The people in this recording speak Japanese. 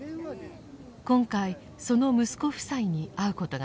今回その息子夫妻に会うことができました。